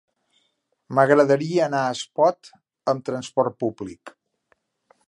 M'agradaria anar a Espot amb trasport públic.